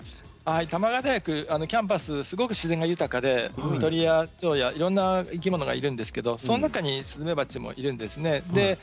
玉川大学キャンパスはすごく自然豊かで鳥やいろんな生き物がいるんですけどその中にスズメバチがいるんですね。